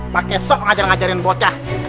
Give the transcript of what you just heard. pake sok ngajarin bocah